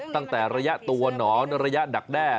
ตั้งแต่ระยะตัวหนอนระยะดักแด้